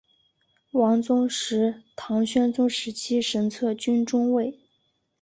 王宗实唐宣宗时期神策军中尉。